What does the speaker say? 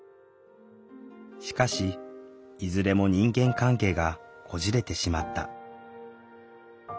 しかしいずれも人間関係がこじれてしまった。